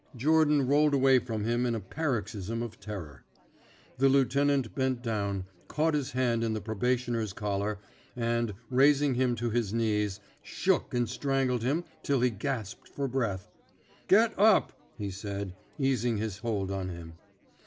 Jordan rolled away from him in a par oxysm of terror. The lieutenant bent down, caught his hand in the probationer's collar, and, raising him to his knees, shook and strangled him till he gasped for breath. Get up," he said, easing his hold on him.